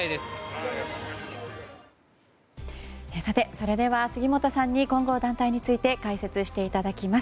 それでは、杉本さんに混合団体について解説していただきます。